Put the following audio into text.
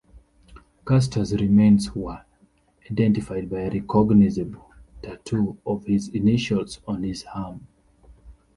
Custer's remains were identified by a recognizable tattoo of his initials on his arm.